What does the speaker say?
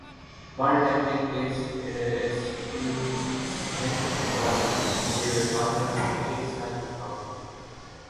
بال tampering case Steve Smith اور David Warner پر ایک سال کی پابندی